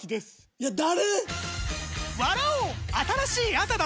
いや誰‼